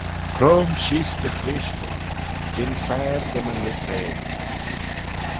Croym sheese dty chleaysh hym: jean siyr dy my livrey.